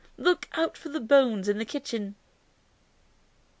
Look out for the bones in the kitchen!"